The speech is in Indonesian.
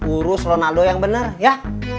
urus ronaldo yang benar ya